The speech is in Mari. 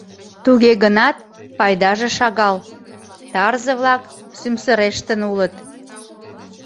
Туге гынат пайдаже шагал, тарзе-влак сӱмсырештын улыт.